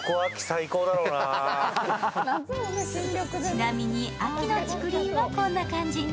ちなみに秋の竹林はこんな感じ。